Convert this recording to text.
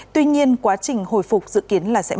tuy nhiên quá trình hồi phục dự kiến lãi